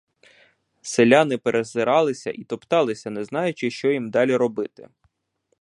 Селяни перезиралися і топталися, не знаючи, що їм далі робити.